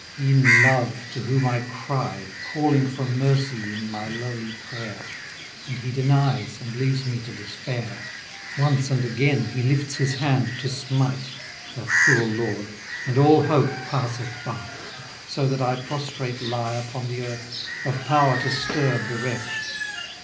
E'en Love, to whom I cry, Calling for mercy in my lowly prayer; And he denies, and leaves me to despair. *" Once and again he lifts his hand to smite, That cruel Lord, and all hope passeth by; So that I prostrate lie Upon the earth, of power to stir bereft.